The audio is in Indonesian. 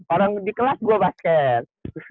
orang di kelas dua basket